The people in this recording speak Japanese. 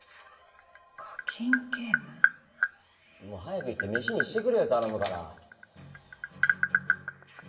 早く行ってメシにしてくれよ頼むから。